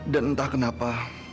dan entah kenapa